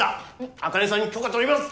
茜さんに許可取ります。